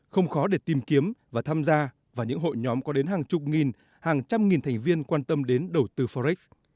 không khó để tìm kiếm và tham gia vào những hội nhóm có đến hàng chục nghìn hàng trăm nghìn thành viên quan tâm đến đầu tư forex